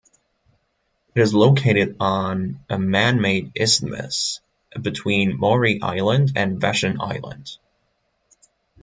It is located on a man-made isthmus between Maury Island and Vashon Island.